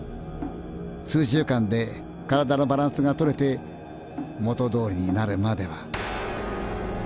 数週間で体のバランスがとれて元どおりになるまでは。